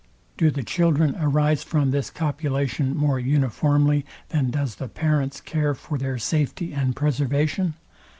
Do the children arise from this copulation more uniformly, than does the parents care for their safety and preservation?